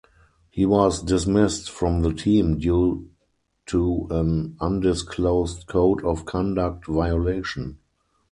He was dismissed from the team due to an undisclosed code of conduct violation.